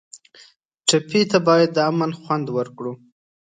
ټپي ته باید د امن خوند ورکړو.